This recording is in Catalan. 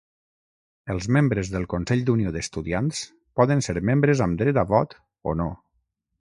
Els membres del Consell d'Unió d'Estudiants poden ser membres amb dret a vot o no.